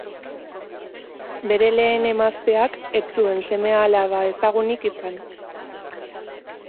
Bere lehen emazteak ez zuen seme-alaba ezagunik izan.